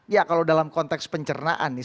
ya kalau dalam konteks pencernaan ya